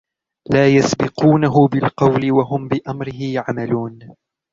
لَا يَسْبِقُونَهُ بِالْقَوْلِ وَهُمْ بِأَمْرِهِ يَعْمَلُونَ